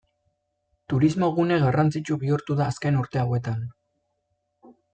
Turismogune garrantzitsu bihurtu da azken urte hauetan.